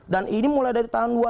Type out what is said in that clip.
dan ini mulai dari tahun dua ribu tiga